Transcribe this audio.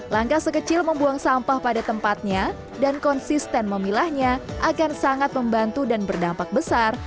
langkah sekecil membuang sampah pada tempatnya dan konsisten memilahnya akan sangat membantu dan berdampak besar